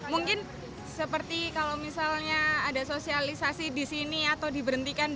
mungkin seperti kalau misalnya ada sosialisasi di sini atau diberhentikan